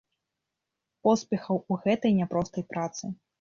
Поспехаў у гэтай няпростай працы!